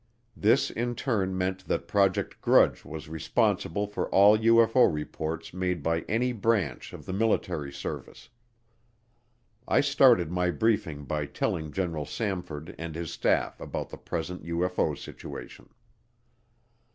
This in turn meant that Project Grudge was responsible for all UFO reports made by any branch of the military service. I started my briefing by telling General Samford and his staff about the present UFO situation.